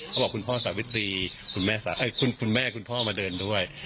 เขาบอกคุณพ่อสาวิตรีคุณแม่คุณแม่คุณพ่อมาเดินด้วย